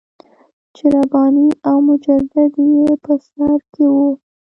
چې رباني او مجددي یې په سر کې وو.